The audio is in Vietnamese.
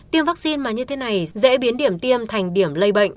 tiêm vaccine mà như thế này dễ biến điểm tiêm thành điểm lây bệnh